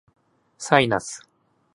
サイナス